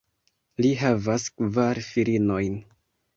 Li havas kvar filinojn.